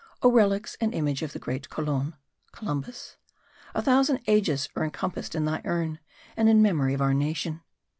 Oh relics and image of the great Colon (Columbus) A thousand ages are encompassed in thy Urn, And in the memory of our Nation.